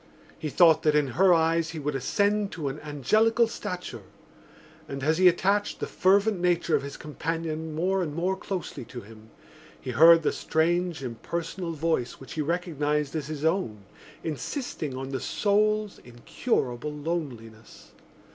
He thought that in her eyes he would ascend to an angelical stature; and, as he attached the fervent nature of his companion more and more closely to him, he heard the strange impersonal voice which he recognised as his own, insisting on the soul's incurable loneliness.